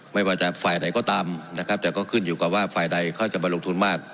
ไม่ว่าจะฝ่ายไหนก็ตามนะครับแต่ก็ขึ้นอยู่กับว่าฝ่ายใดเขาจะมาลงทุนมาก